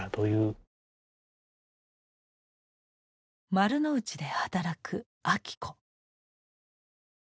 丸の内で働く昭子。